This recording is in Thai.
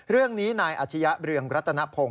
เรื่องนี้นายอาชญะเรืองรัตนพงศ